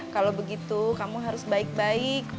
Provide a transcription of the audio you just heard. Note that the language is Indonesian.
kalau begitu kamu harus baik baik